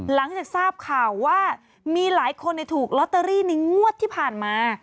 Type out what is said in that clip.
หลังจากทราบข่าวว่ามีหลายคนถูกลอตเตอรี่ในงวดที่ผ่านมา